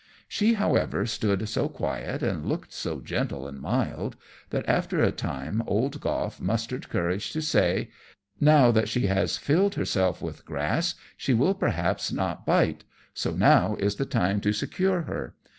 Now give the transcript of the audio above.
She, however, stood so quiet, and looked so gentle and mild, that after a time old Goff mustered courage to say, "Now that she has filled herself with grass she will perhaps not bite, so now is the time to secure her.